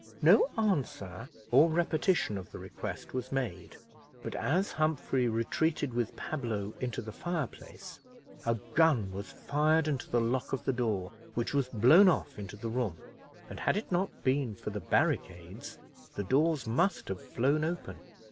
No answer or repetition of the request was made, but, as Humphrey retreated with Pablo into the fireplace, a gun was fired into the lock of the door, which was blown off into the room, and, had it not been for the barricades, the doors must have flown open.